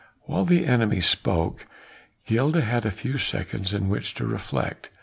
While the enemy spoke, Gilda had a few seconds in which to reflect.